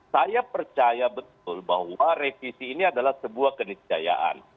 saya percaya betul bahwa revisi ini adalah sebuah keniscayaan